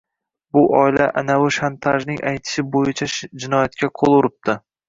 Bu oila anavi shantajning aytishi boʻyicha jinoyatga qoʻl uribdi.